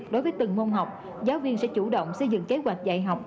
đối với từng môn học giáo viên sẽ chủ động xây dựng kế hoạch dạy học